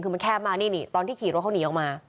คือมันแคบมากนี่นี่ตอนที่ขี่รถเขาหนีออกมา